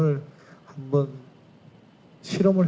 saya ingin memberi pengetahuan kepada para pemain timnas indonesia